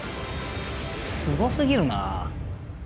すごすぎるな。